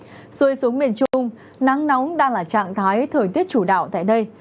trên xuống miền trung nắng nóng đang là trạng thái thời tiết chủ đạo tại đây